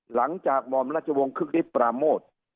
หลังจากหมอบรัชวงศ์คฤตริปารโมท